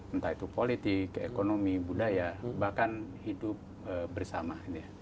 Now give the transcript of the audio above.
entah itu politik ekonomi budaya bahkan hidup bersama